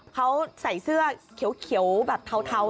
เขาใส่เสื้อเขียวแบบเทา